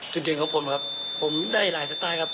จุดยืนของผมครับผมได้หลายสไตล์ครับ